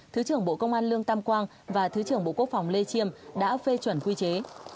thứ trưởng bộ công an lương tam quang và thứ trưởng bộ quốc phòng lê chiêm đã phê chuẩn quy chế